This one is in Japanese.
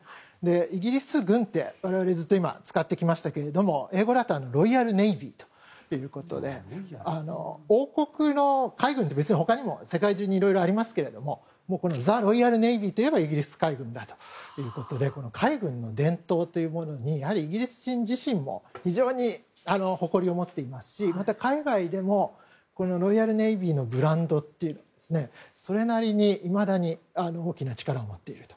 イギリス軍って、我々ずっと今、使ってきましたが英語だとロイヤルネイビーということで王国の海軍って世界中にいろいろありますけどザ・ロイヤルネイビーといえばイギリス海軍だということで海軍の伝統というものにイギリス人自身も非常に誇りを持っていますしまた海外でもロイヤルネイビーのブランドというのはそれなりに、いまだに大きな力を持っていると。